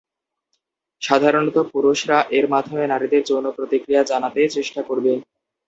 সাধারণত পুরুষরা এর মাধ্যমে নারীদের যৌন প্রতিক্রিয়া জানাতে চেষ্টা করবে।